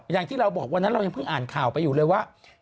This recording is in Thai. อย่างที่เราบอกวันนั้นเรายังเพิ่งอ่านข่าวไปอยู่เลยว่า